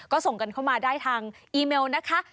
ก็ส่งกันเข้ามาได้ทางอีเมลนะคะ